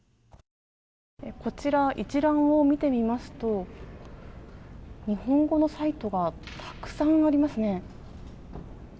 こちら一覧を見てみますと日本語のサイトがたくさんありますね。